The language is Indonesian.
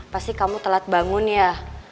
pasti kamu telat bangun ya